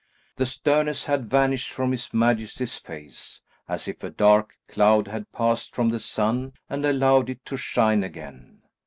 The sternness had vanished from his majesty's face, as if a dark cloud had passed from the sun and allowed it to shine again.